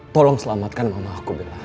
tolong selamatkan mama aku bella